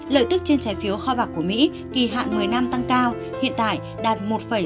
lợi tức trên trái phiếu kho bạc của mỹ kỳ hạn một mươi năm tăng cao hiện tại đạt một sáu trăm năm mươi bảy